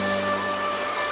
musik apa itu